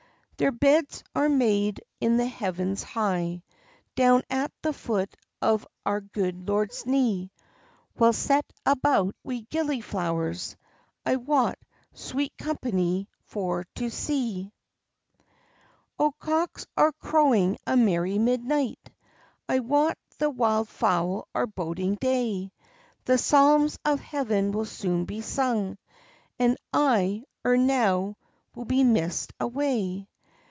"Their beds are made in the heavens high, Down at the foot of our good lord's knee, Weel set about wi' gillyflowers; I wot, sweet company for to see. "O, cocks are crowing a merry midnight, I wot the wild fowl are boding day; The psalms of heaven will soon be sung, And I, ere now, will be missed away."